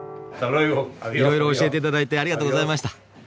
いろいろ教えて頂いてありがとうございました。